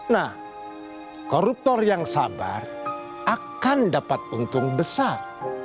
nah koruptor yang sabar akan dapat untung besar